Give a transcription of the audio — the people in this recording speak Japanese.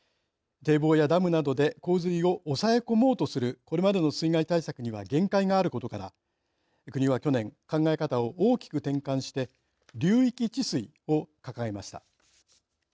堤防やダムなどで洪水を抑え込もうとするこれまでの水害対策には限界があることから、国は去年考え方を大きく転換して流域治水を掲げました。